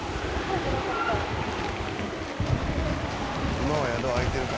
今は宿開いてるからね。